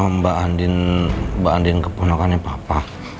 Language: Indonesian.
mbak andin keponokannya papa